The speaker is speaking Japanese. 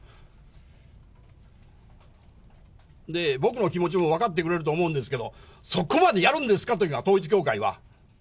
僕の気持ちも分かってくれると思うんですけど、そこまでやるんですかと、統一教会は。